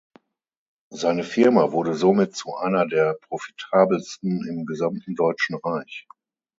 Seine Firma wurde somit zu einer der profitabelsten im gesamten Deutschen Reich.